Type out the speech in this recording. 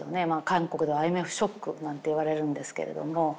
韓国ではＩＭＦショックなんていわれるんですけれども。